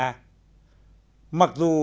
mặc dù chủ nhân của nó là một công ty khởi nghiệp nhỏ